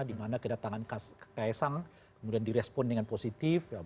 dimana kedatangan ksang kemudian di respon dengan positif